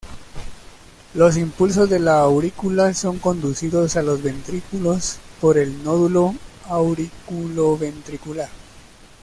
Los impulsos de la aurícula son conducidos a los ventrículos por el nódulo auriculoventricular.